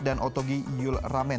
dan otogi yul ramen